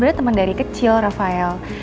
udah temen dari kecil rafael